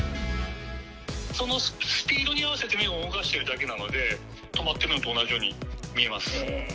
スピードに合わせて目を動かしているだけなので、止まってるのと同じように見えます。